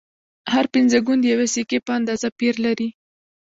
هر پنځه ګون د یوې سکې په اندازه پیر لري